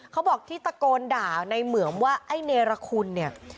เขาบอกที่ตะโกนด่าในเหมืองว่าไอ้เนรคุณเนี่ย